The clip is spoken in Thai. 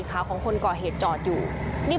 พวกมันต้องกินกันพี่